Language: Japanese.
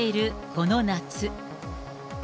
この夏。